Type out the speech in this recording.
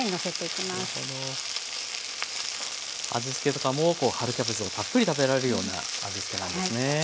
味付けとかも春キャベツをたっぷり食べられるような味付けなんですね。